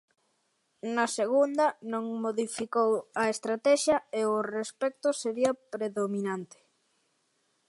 Na segunda non modificou a estratexia e o respecto sería predominante.